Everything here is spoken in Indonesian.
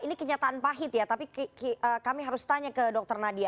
ini kenyataan pahit ya tapi kami harus tanya ke dokter nadia